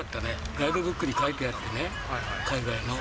ガイドブックに書いてあってね、海外の。